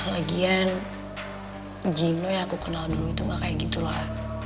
lagian jino yang aku kenal dulu itu gak kayak gitu lah